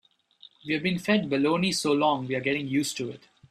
We've been fed baloney so long we're getting used to it.